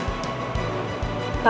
udah mama tenang aja